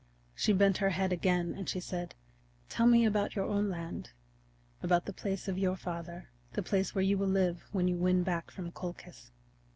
She bent her head again and she said: "Tell me about your own land; about the place of your father, the place where you will live when you win back from Colchis."